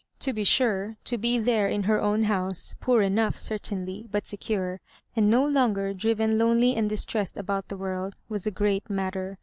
To be sure, to be there in her own house, poor enough certainly, but secure, and no longer driven lonely and distressed about the world, was a great matter.